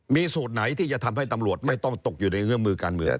มีสูตรไหนที่จะทำให้ตำรวจไม่ต้องตกอยู่ในเงื่อมือการเมือง